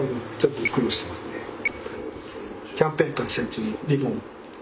「キャンペーン開催中！」のリボン。